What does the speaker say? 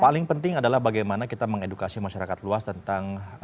paling penting adalah bagaimana kita mengedukasi masyarakat luas tentang